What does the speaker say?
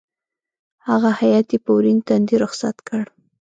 هغه هېئت یې په ورین تندي رخصت کړ.